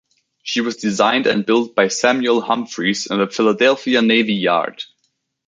She was designed and built by Samuel Humphreys in the Philadelphia Navy Yard.